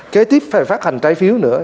kế tiếp phải phát hành trái phiếu nữa